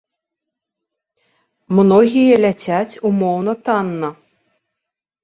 Многія ляцяць умоўна танна.